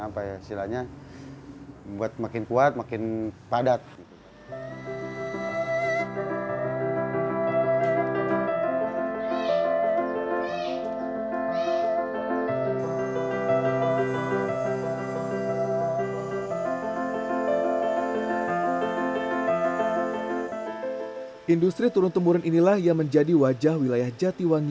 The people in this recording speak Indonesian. kembang dan menyebabkan